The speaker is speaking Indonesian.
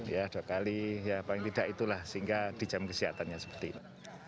ya dua kali ya paling tidak itulah sehingga di jam kesehatannya seperti itu